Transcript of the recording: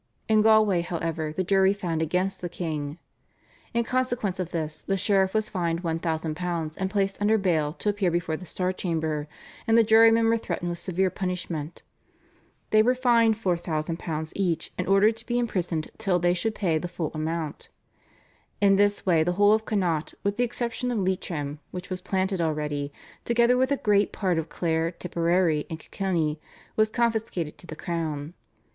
In Galway, however, the jury found against the king. In consequence of this the sheriff was fined £1,000 and placed under bail to appear before the Star Chamber, and the jurymen were threatened with severe punishment. They were fined £4,000 each and ordered to be imprisoned till they should pay the full amount. In this way the whole of Connaught, with the exception of Leitrim which was planted already, together with a great part of Clare, Tipperary, and Kilkenny was confiscated to the crown.